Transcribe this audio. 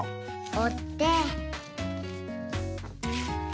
おって。